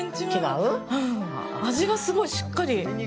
うん、味がすごいしっかり。